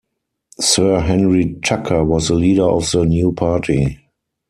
Sir Henry Tucker was the leader of the new party.